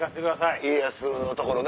家康のところね。